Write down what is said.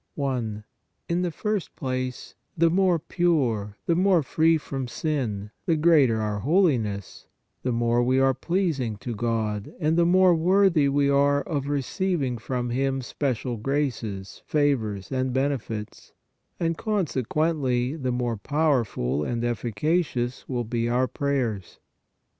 i. In the first place, the more pure, the more free from sin, the greater our holiness, the more 57 58 PRAYER we are pleasing to God, and the more worthy we are of receiving from Him special graces, favors and benefits, and, consequently, the more powerful and efficacious will be our prayers.